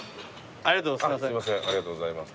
ありがとうございます。